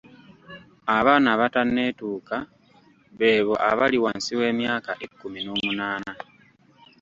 Abaana abatanetuuka beebo abali wansi w'emyaka ekkumi n'omunaana .